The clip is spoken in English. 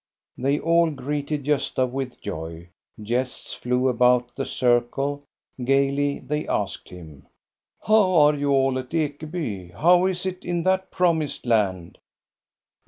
They all greeted Gosta with joy ; jests flew about the circle ; gayly they asked him :— ''How are you all at Ekeby; how is it in that promised land